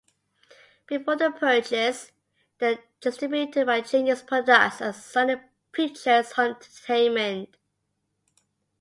Before the purchase, they were distributed by Genius Products and Sony Pictures Home Entertainment.